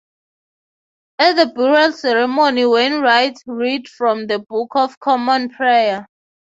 At the burial ceremony Wainwright read from the Book of Common Prayer.